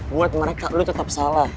buat mereka lo tetap salah